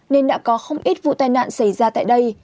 nên đã có không ít vụ tai nạn xảy ra tại đây